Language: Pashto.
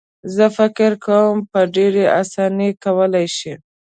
زه فکر کوم په ډېره اسانۍ یې کولای شو.